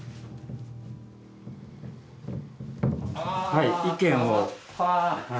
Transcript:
はい意見を。